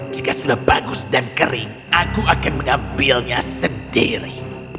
jika sudah bagus dan kering aku akan mengambilnya sendiri